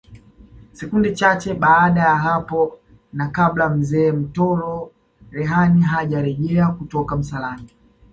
Sekunde chache baada ya hapo na kabla Mzee Mtoro Rehani hajarejea kutoka msalani